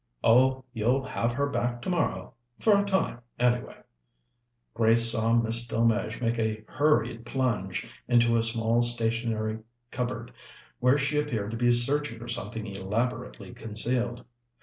"Oh, you'll have her back tomorrow for a time, anyway." Grace saw Miss Delmege make a hurried plunge into a small stationery cupboard, where she appeared to be searching for something elaborately concealed.